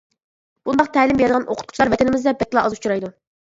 بۇنداق تەلىم بېرىدىغان ئوقۇتقۇچىلار ۋەتىنىمىزدە بەكلا ئاز ئۇچرايدۇ.